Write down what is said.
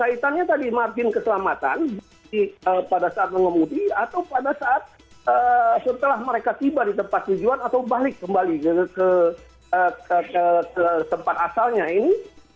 kaitannya tadi margin keselamatan pada saat mengemudi atau pada saat setelah mereka tiba di tempat tujuan atau balik kembali ke tempat asalnya ini